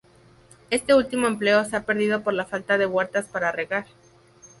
Este último empleo se ha perdido por la falta de huertas para regar.